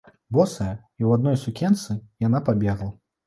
Босая і ў адной сукенцы, яна пабегла.